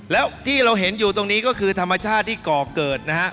แล้วที่เราเห็นอยู่ตรงนี้ก็คือธรรมชาติที่ก่อเกิดนะฮะ